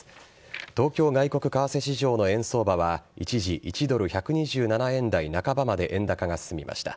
東京外国為替市場の円相場は一時、１ドル１２７円台半ばまで円高が進みました。